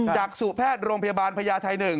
จากสู่แพทย์โรงพยาบาลพญาไทย๑